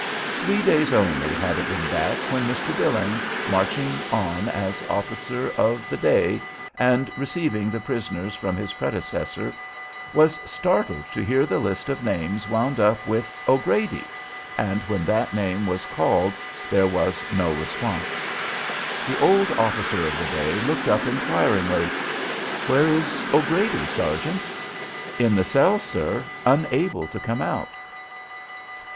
Three days only had it been back when Mr. Billings, marching on as officer of the day, and receiving the prisoners from his predecessor, was startled to hear the list of names wound up with "O'Grady," and when that name was called there was no response. The old officer of the day looked up inquiringly: "Where is O'Grady, sergeant?" "In the cell, sir, unable to come out."